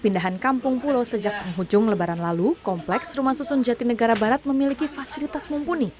pindahan kampung pulau sejak penghujung lebaran lalu kompleks rumah susun jatinegara barat memiliki fasilitas mumpuni